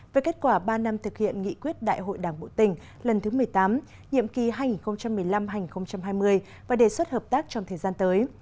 về kết quả ba năm thực hiện nghị quyết đại hội đảng bộ tỉnh lần thứ một mươi tám nhiệm kỳ hai nghìn một mươi năm hai nghìn hai mươi và đề xuất hợp tác trong thời gian tới